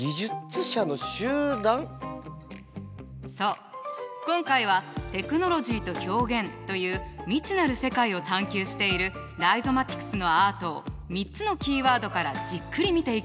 そう今回は「テクノロジーと表現」という未知なる世界を探求しているライゾマティクスのアートを３つのキーワードからじっくり見ていきたいと思います。